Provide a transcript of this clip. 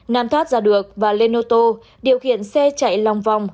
nam thoát ra được và lên ô tô điều khiển xe chạy lòng vòng